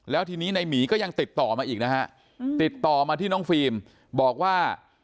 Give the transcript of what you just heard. แล้วทีนี้ในหมีก็ยังติดต่อมาอีกนะฮะติดต่อมาที่น้องฟิล์มบอกว่า